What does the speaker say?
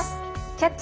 「キャッチ！